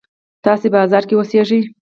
تاسې بازار کې اوسېږئ.